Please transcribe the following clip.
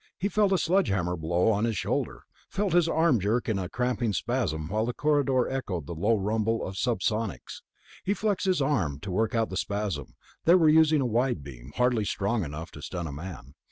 He felt a sledge hammer blow on his shoulder, felt his arm jerk in a cramping spasm while the corridor echoed the low rumble of sub sonics. He flexed his arm to work out the spasm ... they were using a wide beam, hardly strong enough to stun a man.